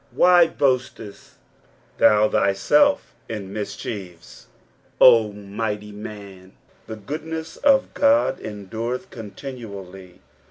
WHY boastest thou thyself in mischief, O mighty man ? the gooriness of God endureth continually.